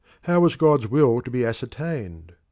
How was God's will to be ascertained?